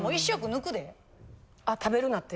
あ食べるなって？